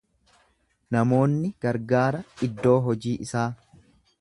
Namoonni gargaara iddoo hojii isaa.